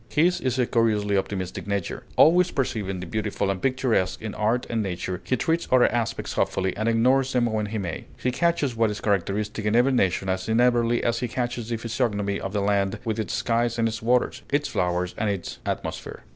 His is a curiously optimistic nature. Always perceiving the beautiful and picturesque in art and nature, he treats other aspects hopefully, and ignores them when he may. He catches what is characteristic in every nation as inevitably as he catches the physiognomy of a land with its skies and its waters, its flowers and its atmosphere.